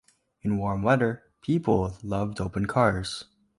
In warm weather, people loved open cars.